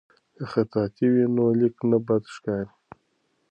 که خطاطي وي نو لیک نه بد ښکاریږي.